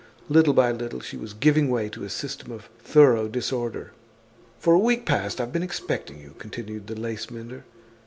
Little by little she was giving way to a system of thorough disorder. "For a week past I've been expecting you," continued the lace mender.